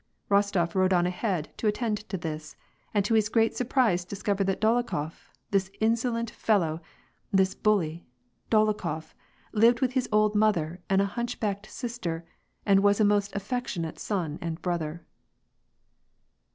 Bostof rode on ahead to attend to this, and to his great sur prise discovered that Dolokhof, this insolent fellow, this bully, Dolokhof, lived with his old mother and a hunchbacked sister, and was a most affectionate son and brother.